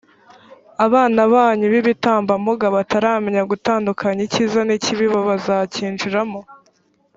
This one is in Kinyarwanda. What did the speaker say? abana banyu b’ibitambambuga bataramenya gutandukanya icyiza n’ikibi bo bazakinjiramo.